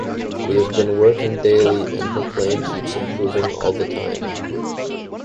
We have been working daily and her playing keeps improving all the time.